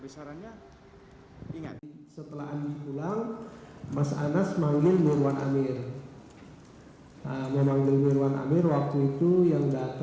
salah satunya kalau pak ignatius yang mulia